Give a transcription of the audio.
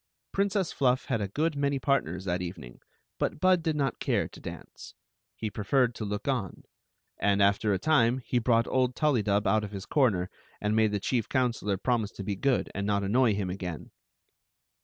Princess Fluff had a good many partners that even ing, but Bud did not care to dance— he preferred to look on ; and. after a time, he brought old Tullydub out of his corner, and made the chief counselor prom ise to be good and not annoy him again.